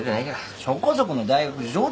そこそこの大学で上等や。